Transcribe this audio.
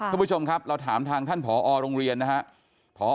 คุณผู้ชมครับเราถามทางท่านผอโรงเรียนนะครับ